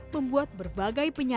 membuat berbagai penyakit